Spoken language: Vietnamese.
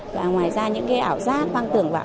và ngoài ra những ảo sát hoang tưởng bạo